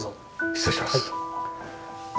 失礼します。